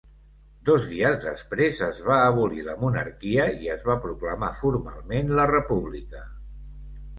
Dos dies després es va abolir la monarquia i es va proclamar formalment la república.